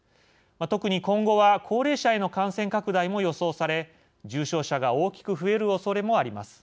特に今後は高齢者への感染拡大も予想され重症者が大きく増えるおそれもあります。